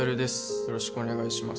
よろしくお願いします